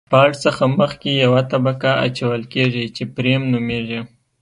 د اسفالټ څخه مخکې یوه طبقه اچول کیږي چې فریم نومیږي